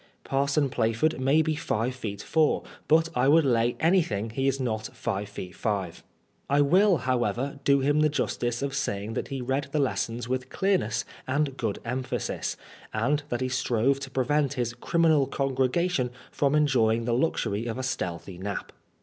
Parson Plaf ord may be five feet four, but I would lay any thing he is not five feet five. I will, however, do him the justice of saying that he read the lessons with clearness and good emphasis, and that he strove to prevent his criminal congregation from enjoying the luxury of a stealthy nap.